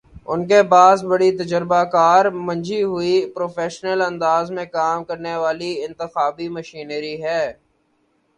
ان کے پاس بڑی تجربہ کار، منجھی ہوئی، پروفیشنل انداز میں کام کرنے والی انتخابی مشینری ہے۔